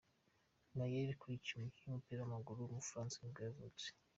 Gaël Clichy, umukinnyi w’umupira w’amaguru w’umufaransa nibwo yavutse.